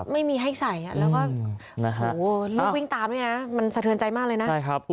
ไม่มีให้ใส่แล้วก็รีบวิ่งตามด้วยนะมันสะเทือนใจมากเลยนะ